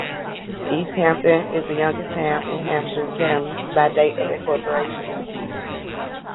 Easthampton is the youngest town in Hampshire County by date of incorporation.